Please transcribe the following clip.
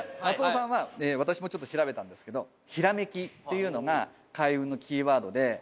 松尾さんは私もちょっと調べたんですけどひらめきっていうのが開運のキーワードで。